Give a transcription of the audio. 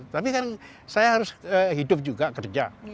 tapi kan saya harus hidup juga kerja